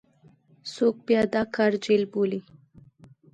څوک بیا دا کار جعل بولي.